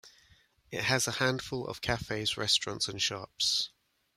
It has a handful of cafes, restaurants and shops.